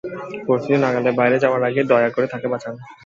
পরিস্থিতি নাগালের বাইরে যাওয়ার আগে দয়া করে তাকে বাঁচান।